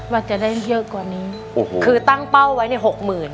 ว่าจะได้เยอะกว่านี้โอ้โหคือตั้งเป้าไว้ในหกหมื่น